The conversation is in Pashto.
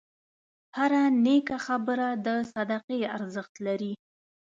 هره نیکه خبره د صدقې ارزښت لري.